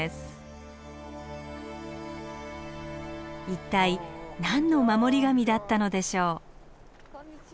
一体何の守り神だったのでしょう？